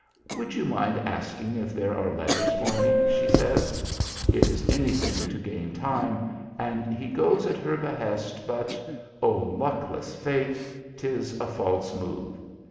"Would you mind asking if there are letters for me?" she says. It is anything to gain time, and he goes at her behest, but oh, luckless fate! 'tis a false move.